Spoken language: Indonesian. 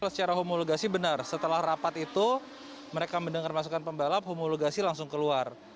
kalau secara homologasi benar setelah rapat itu mereka mendengar masukan pembalap homologasi langsung keluar